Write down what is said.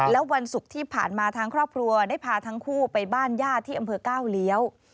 แล้ววันศุกร์ที่ผ่านมาทางครอบครัวได้พาทั้งคู่ไปบ้านญาติที่อำเภอก้าวเลี้ยว